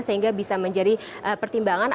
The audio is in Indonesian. sehingga bisa menjadi pertimbangan